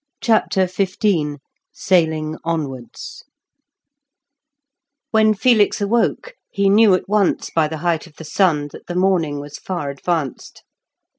CHAPTER XV SAILING ONWARDS When Felix awoke, he knew at once by the height of the sun that the morning was far advanced.